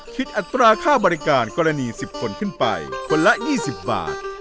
อัตราค่าบริการกรณี๑๐คนขึ้นไปคนละ๒๐บาท